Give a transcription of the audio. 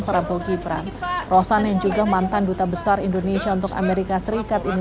prabowo gibran rosan yang juga mantan duta besar indonesia untuk amerika serikat ini